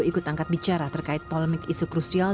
ikut angkat bicara terkait polemik isu krusial